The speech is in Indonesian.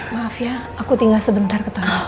maaf ya aku tinggal sebentar ketemu